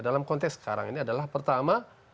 dalam konteks sekarang ini adalah pertama